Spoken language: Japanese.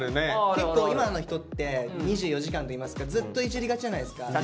結構今の人って２４時間といいますかずっといじりがちじゃないですか。